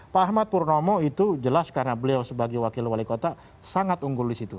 pak ahmad purnomo itu jelas karena beliau sebagai wakil wali kota sangat unggul di situ